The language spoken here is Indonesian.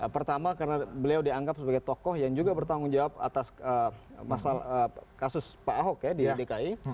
pertama karena beliau dianggap sebagai tokoh yang juga bertanggung jawab atas kasus pak ahok ya di dki